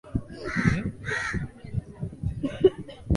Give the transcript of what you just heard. shajara hutangazwa kama kipengele kimoja cha kipindi